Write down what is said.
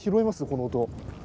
この音。